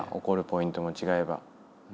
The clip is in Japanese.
怒るポイントも違えば。